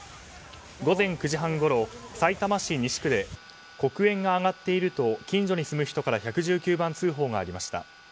午前９時半ごろさいたま市西区で黒煙が上がっていると近所に住む人から１１９番通報がありました。